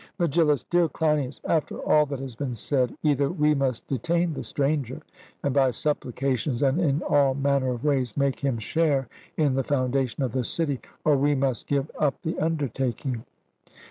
MEGILLUS: Dear Cleinias, after all that has been said, either we must detain the Stranger, and by supplications and in all manner of ways make him share in the foundation of the city, or we must give up the undertaking.